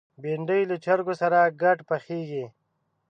بېنډۍ له چرګو سره ګډ پخېږي